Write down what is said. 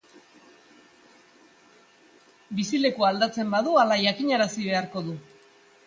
Bizilekua aldatzen badu, hala jakinarazi beharko du.